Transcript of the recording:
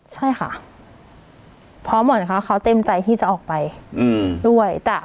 ใช่ค่ะพอหมดเขาเต็มใจที่จะออกไปด้วย